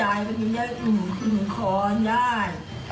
อารมณ์มันจะได้ผอมแต่ยังผอมยายก็จะได้หุ่นของยาย